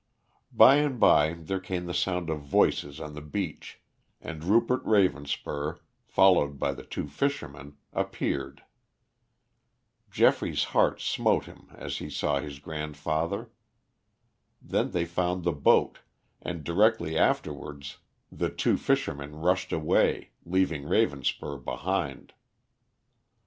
By and by there came the sound of voices on the beach, and Rupert Ravenspur, followed by the two fishermen, appeared. Geoffrey's heart smote him as he saw his grandfather. Then they found the boat, and directly afterwards the two fishermen rushed away, leaving Ravenspur behind.